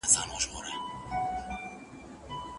زوی به بيا پلار ته راسي.